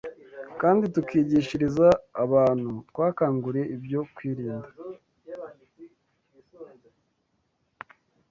kandi tukigishiriza abantu twakanguriye ibyo kwirinda